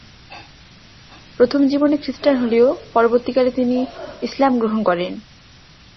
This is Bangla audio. প্রথম জীবনে খ্রিষ্টান হলেও পরবর্তীকালে তিনি ইসলাম গ্রহণ করেন।